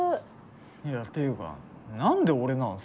いやっていうか何で俺なんすか？